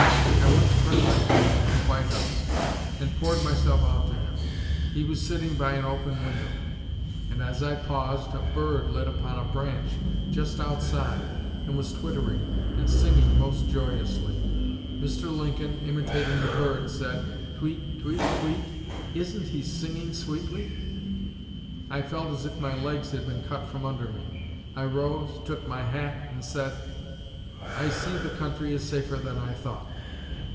I went to President Lincoln at the White House, and poured myself out to him. He was sitting by an open window; and as I paused, a bird lit upon a branch just outside and was twittering and singing most joyously. Mr. Lincoln, imitating the bird, said: 'Tweet, tweet, tweet; isn't he singing sweetly?' I felt as if my legs had been cut from under me. I rose, took my hat, and said, 'I see the country is safer than I thought.'